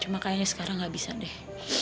cuma kayaknya sekarang nggak bisa deh